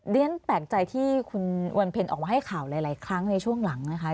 เรียนแปลกใจที่คุณวันเพ็ญออกมาให้ข่าวหลายครั้งในช่วงหลังนะคะ